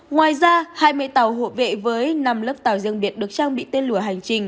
ngoài ra hai mươi tàu hộ vệ với năm lớp tàu riêng biệt được trang bị tên lửa hành trình